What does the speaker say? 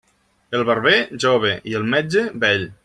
El barber, jove, i el metge, vell.